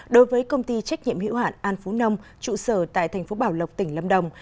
đối với công ty trách nhiệm hiệu hạn an phú nông trụ sở tại tp bảo lộc tỉnh lâm đồng